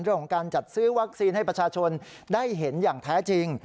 เรื่องของการจัดซื้อวัคซีนให้ประชาชนได้เห็นอย่างแท้จริง